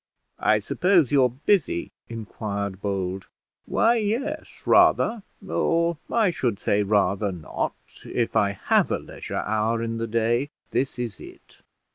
"I suppose you're busy?" inquired Bold. "Why, yes, rather; or I should say rather not. If I have a leisure hour in the day, this is it."